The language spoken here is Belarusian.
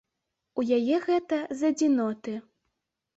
У яе гэта з адзіноты.